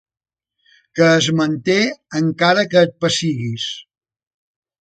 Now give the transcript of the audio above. Que es manté encara que et pessiguis.